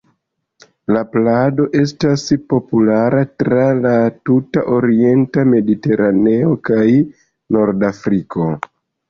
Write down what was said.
La plado estas populara tra la tuta orienta Mediteraneo kaj Nordafriko.